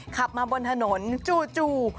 ขับมาบนถนนจู่